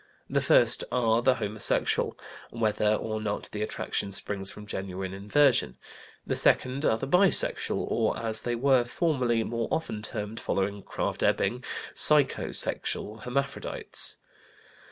The first are the homosexual, whether or not the attraction springs from genuine inversion. The second are the bisexual, or, as they were formerly more often termed, following Krafft Ebing, psycho sexual hermaphrodites.